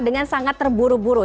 dengan sangat terburu buru